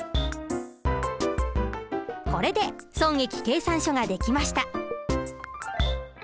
これで損益計算書ができました。